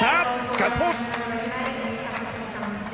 ガッツポーズ！